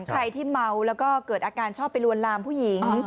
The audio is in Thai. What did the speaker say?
ใครที่เมาแล้วก็เกิดอาการชอบไปลวนลามผู้หญิง